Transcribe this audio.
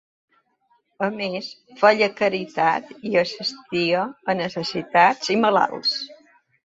A més, feia caritat i assistia a necessitats i malalts.